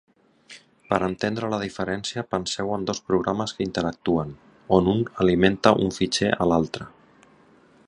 Per entendre la diferència, penseu en dos programes que interactuen, on un alimenta un fitxer a l'altre.